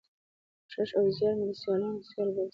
کوښښ او زیار مو د سیالانو سیال ګرځوي.